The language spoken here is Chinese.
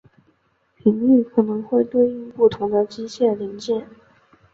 频率可能会对应不同的机械零件。